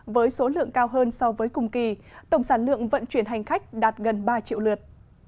với số lượng cao hơn so với cùng kỳ tổng sản lượng vận chuyển hành khách đạt gần ba triệu lượt